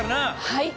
はい！